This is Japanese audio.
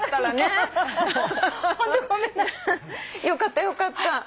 よかったよかった。